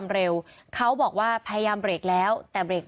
มีคนเสียชีวิตคุณ